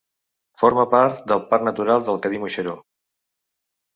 Forma part del parc natural Cadí-Moixeró.